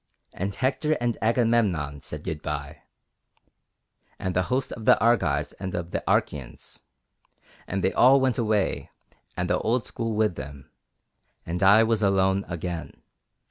And Hector and Agamemnon said 'Goodbye,' and the host of the Argives and of the Achæans; and they all went away and the old school with them, and I was alone again.